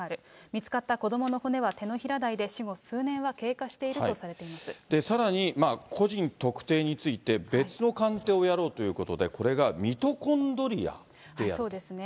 見つかった子どもの骨は手のひら大で、死後数年は経過しているとさらに、個人特定について別の鑑定をやろうということで、これがミトコンそうですね。